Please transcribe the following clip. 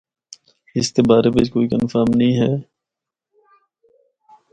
اس دے بارے بچ کوئی کنفرم نیں ہے۔